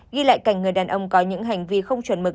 ghi lại cảnh người đàn ông có những hành vi không chuẩn mực